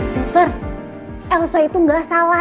dokter elsa itu nggak salah